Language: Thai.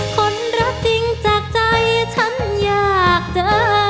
คนรักจริงจากใจฉันอยากเจอ